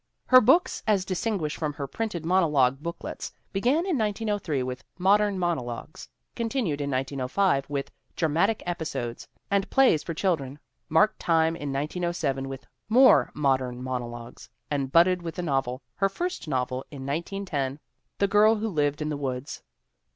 Her books, as distinguished from her printed mono logue booklets, began in 1903 with Modern Monologues, continued in 1905 with Dramatic Episodes and Plays for Children, marked time in 1907 with More Modern Monologues and budded with a novel, her first novel, in 1910 The Girl Who Lived in the Woods.